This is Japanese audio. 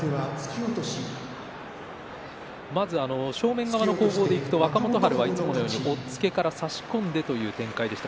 まず正面側の攻防でいくと若元春はいつものように押っつけから差し込んでという展開でした。